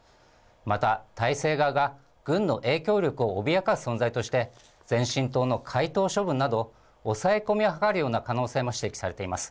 また体制側が軍の影響力を脅かす存在として、前進党の解党処分など、押さえ込みを図るような可能性も指摘されています。